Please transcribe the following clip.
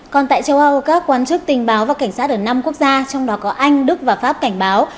còn tại châu âu các quan chức tình báo và cảnh sát ở năm quốc gia trong đó có anh đức và pháp cảnh báo